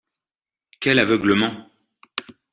Quel aveuglement